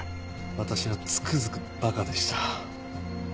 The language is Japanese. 私はつくづく馬鹿でした。